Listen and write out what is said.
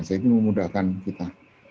jadi memudahkan kita